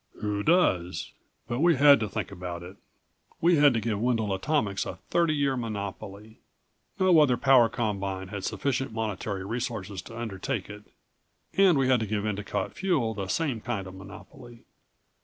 "Who does? But we had to think about it. We had to give Wendel Atomics a thirty year monopoly. No other power combine had sufficient monetary resources to undertake it. And we had to give Endicott Fuel the same kind of monopoly.